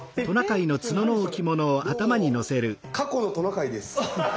どうも過去のトナカイです。